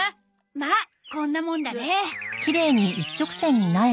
まあこんなもんだね。